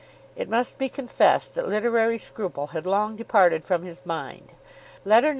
It must be confessed that literary scruple had long departed from his mind. Letter No.